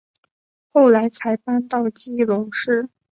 后来才搬到基隆市。